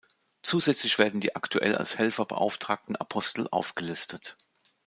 Zusätzlich werden die aktuell als Helfer beauftragten Apostel aufgelistet.